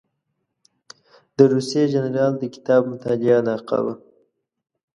د روسي جنرال د کتاب مطالعه علاقه وه.